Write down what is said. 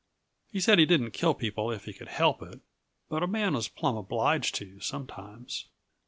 He said he didn't kill people if he could help it but a man was plumb obliged to, sometimes.